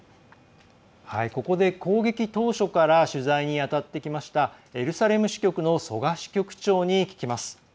ここで攻撃当初から取材に当たってきましたエルサレム支局の曽我支局長に聞きます。